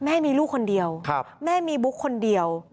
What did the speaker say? แม่มีลูกคนเดียวแม่มีบุ๊กคนเดียว